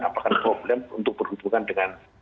apakah ada problem untuk berhubungan dengan